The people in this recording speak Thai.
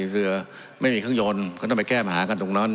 เรือไม่มีเครื่องยนต์ก็ต้องไปแก้ปัญหากันตรงนั้น